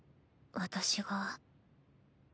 私が？